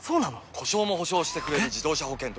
故障も補償してくれる自動車保険といえば？